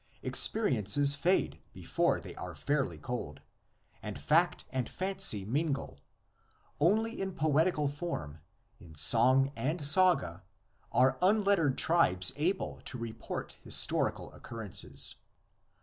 Experiences fade before they are fairly cold, and fact and fancy mingle; only in poetical form, in song and saga, are unlettered tribes able to report historical occurrences.